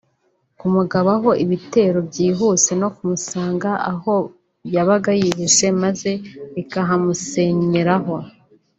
kumugabaho ibitero byihuse no kumusanga aho yabaga yihishe maze bikahamusenyeraho